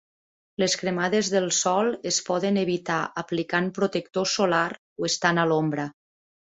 Les cremades del sol es poden evitar aplicant protector solar o estant a l'ombra.